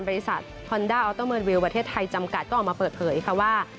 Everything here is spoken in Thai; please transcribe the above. บริษัทฮอนด้าออเตอร์เมิร์นวิลประเทศไทยจำกัดก็ออกมาเปิดเผยค่ะว่า